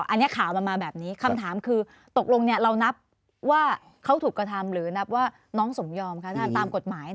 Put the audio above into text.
อันนี้ข่าวมันมาแบบนี้คำถามคือตกลงเรานับว่าเขาถูกกระทำหรือนับว่าน้องสมยอมคะท่านตามกฎหมาย